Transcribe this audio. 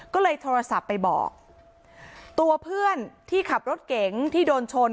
ก็เลยโทรศัพท์ไปบอกตัวเพื่อนที่ขับรถเก๋งที่โดนชน